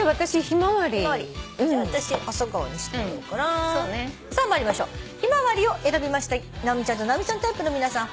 「ひまわり」を選びました直美ちゃんと直美ちゃんタイプの皆さん